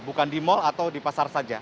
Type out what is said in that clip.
bukan di mal atau di pasar saja